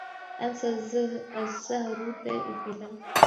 أَمْسَى الزَّهْرُ ذابِلًا.